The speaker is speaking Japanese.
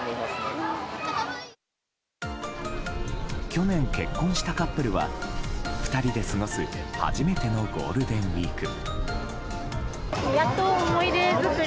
去年結婚したカップルは２人で過ごす初めてのゴールデンウィーク。